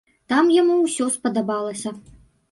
Там яму ўсё спадабалася.